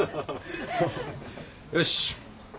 よし。